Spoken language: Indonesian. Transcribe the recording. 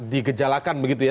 digejalakan begitu ya